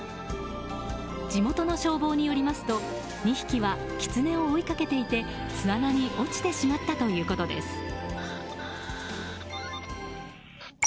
地元の消防によりますと２匹はキツネを追いかけていて巣穴に落ちてしまったということです。